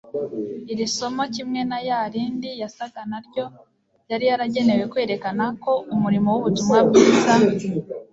iri somo kimwe n'ayaridi yasaga na ryo yari yaragenewe kwerekana ko umurimo w'ubutumwa bwiza